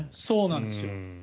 そうなんですよ。